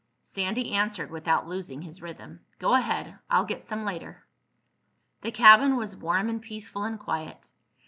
Sandy answered without losing his rhythm. "Go ahead. I'll get some later." The cabin was warm and peaceful and quiet.